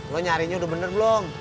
lo nyarinya udah bener belum